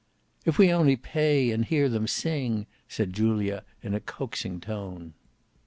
"If we only pay and hear them sing," said Julia in a coaxing tone.